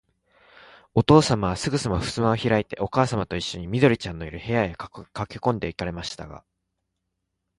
おとうさまは、すぐさまふすまをひらいて、おかあさまといっしょに、緑ちゃんのいる、部屋へかけこんで行かれましたが、